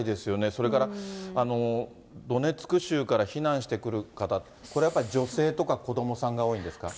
それからドネツク州から避難してくる方、これはやっぱり女性とか子どもさんが多いんですか。